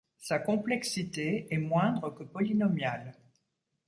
Sa complexité est moindre que polynomiale.